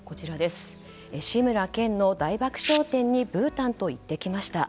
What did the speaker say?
志村けんの大爆笑展にブーたんと行ってきました。